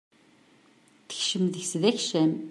Tekcem deg-s d akcam.